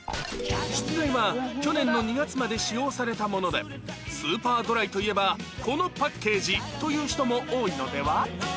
出題は去年の２月まで使用されたものでスーパードライといえばこのパッケージ！という人も多いのでは？